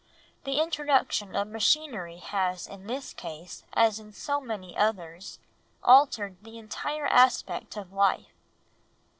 The introduction of machinery has in this case, as in so many others, altered the entire aspect of life.